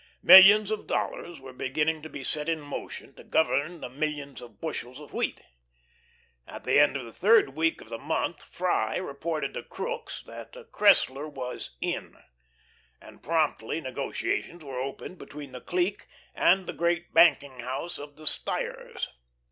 Millions of dollars were beginning to be set in motion to govern the millions of bushels of wheat. At the end of the third week of the month Freye reported to Crookes that Cressler was "in," and promptly negotiations were opened between the clique and the great banking house of the Stires.